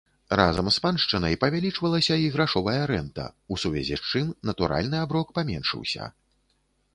Разам з паншчынай павялічвалася і грашовая рэнта, у сувязі з чым натуральны аброк паменшыўся.